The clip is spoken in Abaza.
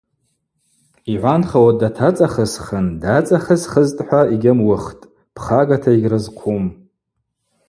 Йгӏванхауа датацӏахысхын, дацӏахысхызтӏхӏва йгьамуыхтӏ, пхагата йгьрызхъум.